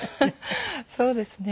そうですね。